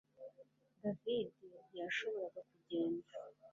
David ntiyashoboraga kugenda